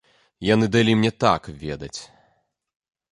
Яны далі мне так ведаць.